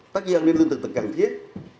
tất nhiên nên lương thực cần thiết